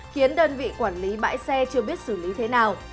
khiến đơn vị quản lý bãi xe chưa biết xử lý thế nào